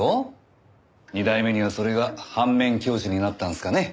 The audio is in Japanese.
２代目にはそれが反面教師になったんですかね？